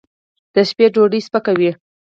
د شپې ډوډۍ سپکه وي.